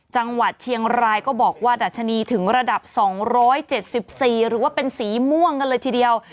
จังหวัดเชียงรายก็บอกว่าดัชนีถึงระดับ๒๗๔หรือว่าเป็นสีม่วงกันเลยทีเดียว